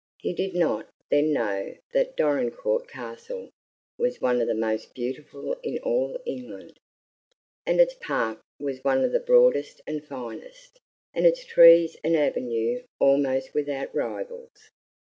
He did not then know that Dorincourt Castle was one of the most beautiful in all England; that its park was one of the broadest and finest, and its trees and avenue almost without rivals.